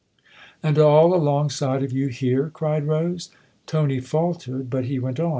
" And all alongside of you here ?" cried Rose. Tony faltered, but he went on.